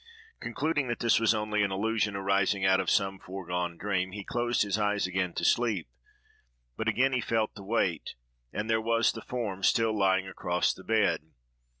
Concluding that this was only an illusion arising out of some foregone dream, he closed his eyes again to sleep; but again he felt the weight, and there was the form still lying across the bed.